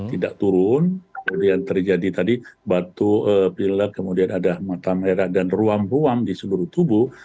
tidak turun kemudian terjadi tadi batuk pilek kemudian ada mata merah dan ruam ruam di seluruh tubuh